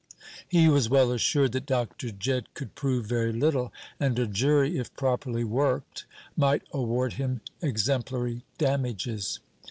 He was well assured that Dr. Jedd could prove very little; and a jury, if properly worked, might award him exemplary damages.